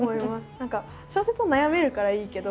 何か小説は悩めるからいいけど。